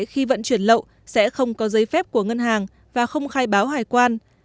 khi vận chuyển lậu sẽ không có giấy phép của ngân hàng và không khai báo hải quan